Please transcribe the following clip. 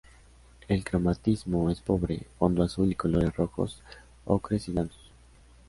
El cromatismo es pobre: fondo azul y colores rojos, ocres y blancos.